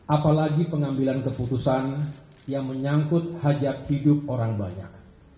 apalagi pengambilan keputusan yang menyangkut hajat hidup orang banyak